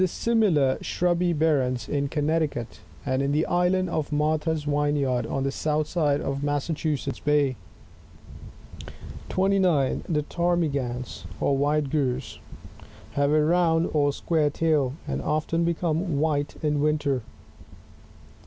similar shrubby barrens in Connecticut, and in the Island of Martha's Vineyard, on the south side of Massachusetts Bay.] 29. The Ptarmigans, or White Grouse, — Lagopvs, — have a round or square tail, and often become white in winter.